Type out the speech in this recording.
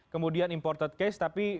kemudian imported case tapi